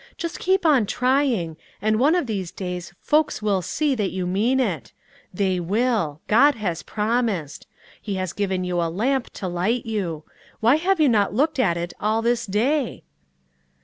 Just keep on trying, and one of these days folks will see that you mean it; they will God has promised. He has given you a lamp to light you. Why have not you looked at it all this day?"